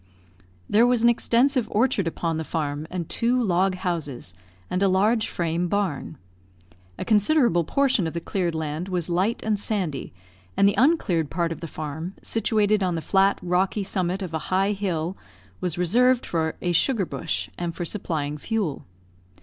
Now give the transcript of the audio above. There was an extensive orchard upon the farm, and two log houses, and a large frame barn. A considerable portion of the cleared land was light and sandy; and the uncleared part of the farm, situated on the flat, rocky summit of a high hill, was reserved for "a sugar bush," and for supplying fuel.